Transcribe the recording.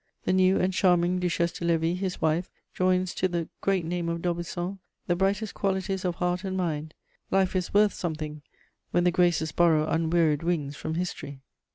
The new and charming Duchesse de Lévis, his wife, joins to the great name of d'Aubusson the brightest qualities of heart and mind: life is worth something, when the graces borrow unwearied wings from history!